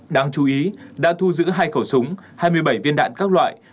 đáng chú ý đã thu giữ hai khẩu súng hai mươi bảy viên đạn các loại